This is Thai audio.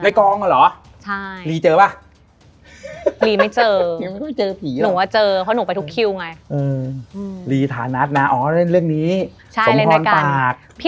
ได้กล้องเหรอลีย์เจอปะอเรนนี่ใช่